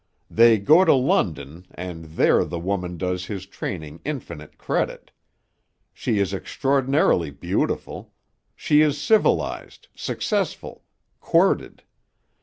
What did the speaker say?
They go to London and there the woman does his training infinite credit. She is extraordinarily beautiful; she is civilized, successful, courted.